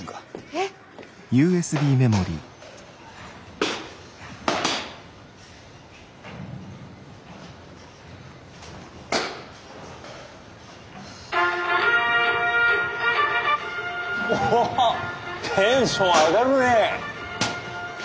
えっ！おっテンション上がるねえ。